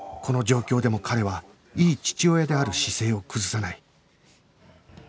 この状況でも彼はいい父親である姿勢を崩さない